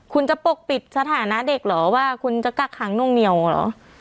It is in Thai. คุณจะปกปิดสถานะเด็กเหรอว่าคุณจะกักขังนวงเหนียวเหรอ